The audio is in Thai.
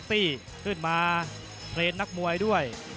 ตี้ขึ้นมาเทรนด์นักมวยด้วย